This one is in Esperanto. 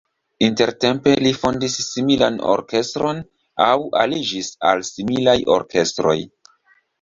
Intertempe li fondis similan orkestron aŭ aliĝis al similaj orkestroj.